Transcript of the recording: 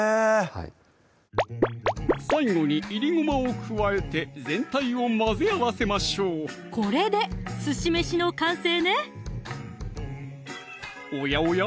はい最後にいりごまを加えて全体を混ぜ合わせましょうこれですし飯の完成ねおやおや？